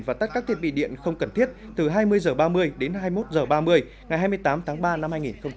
và tắt các thiết bị điện không cần thiết từ hai mươi h ba mươi đến hai mươi một h ba mươi ngày hai mươi tám tháng ba năm hai nghìn hai mươi